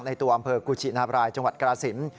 ตัวอำเภอกุชินาบรายจังหวัดกราศิลป